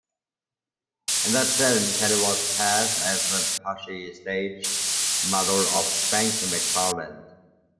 In that film, Kelly was cast as the pushy stage mother of Spanky McFarland.